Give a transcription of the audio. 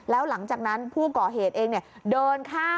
แล้วหลังจากนั้นผู้ก่อเหตุเองเดินข้าม